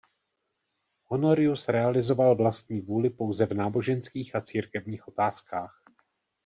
Honorius realizoval vlastní vůli pouze v náboženských a církevních otázkách.